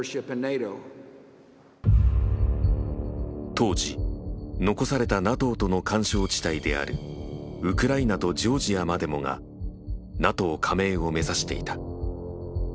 当時残されたＮＡＴＯとの緩衝地帯であるウクライナとジョージアまでもがＮＡＴＯ加盟を目指していた。